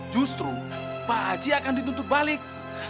justru pak haji akan dituntut balik